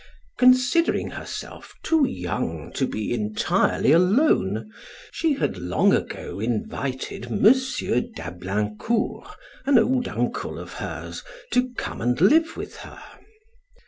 Considering herself too young to be entirely alone, she had long ago invited M. d'Ablaincourt, an old uncle of hers, to come and live with her.